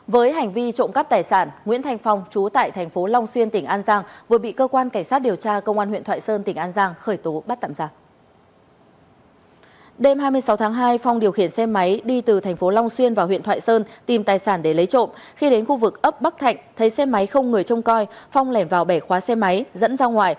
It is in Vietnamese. với hành vi trộm cắp tài sản nguyễn thành phong trú tại tp long xuyên tỉnh an giang vừa bị cơ quan cảnh sát điều tra công an huyện thoại sơn tỉnh an giang khởi tố bắt tạm giả